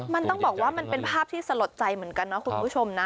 มันต้องบอกว่ามันเป็นภาพที่สลดใจเหมือนกันนะคุณผู้ชมนะ